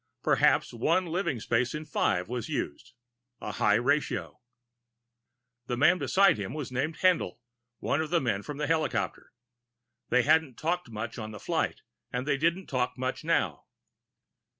Perhaps one living space in five was used. A high ratio. The man beside him was named Haendl, one of the men from the helicopter. They hadn't talked much on the flight and they didn't talk much now.